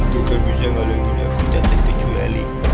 tidak bisa menghalangi aku tatik pejuweli